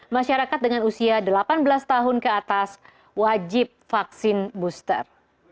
masyarakat dengan usia delapan belas tahun ke atas wajib vaksin booster